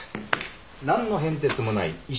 なんの変哲もない石。